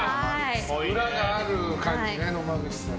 裏がある感じね、野間口さん。